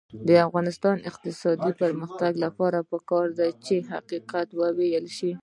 د افغانستان د اقتصادي پرمختګ لپاره پکار ده چې حقیقت وویلی شو.